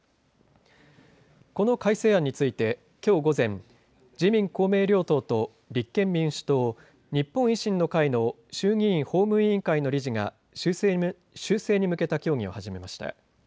この改正案についてきょう午前、自民公明両党と立憲民主党、日本維新の会の衆議院法務委員会の理事が修正に向けた協議を始めました。